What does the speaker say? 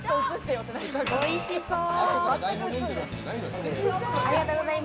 おいしそう！